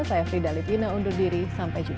saya frida litwina undur diri sampai jumpa